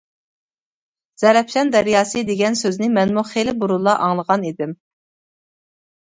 «زەرەپشان دەرياسى» دېگەن سۆزنى مەنمۇ خېلى بۇرۇنلا ئاڭلىغان ئىدىم.